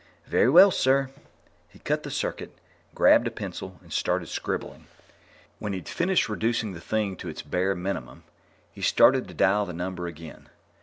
"Very well, sir." He cut the circuit, grabbed a pencil and started scribbling. When he'd finished reducing the thing to its bare minimum, he started to dial the number again.